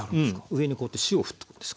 上にこうやって塩をふっとくんです。